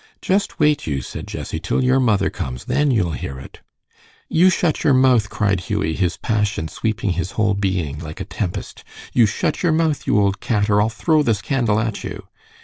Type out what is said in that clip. "Just wait, you," said Jessie, "till your mother comes. Then you'll hear it." "You shut your mouth!" cried Hughie, his passion sweeping his whole being like a tempest. "You shut your mouth, you old cat, or I'll throw this candle at you."